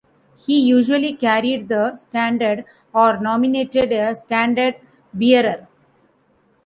He usually carried the standard or nominated a standard-bearer.